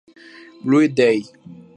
Blue Day".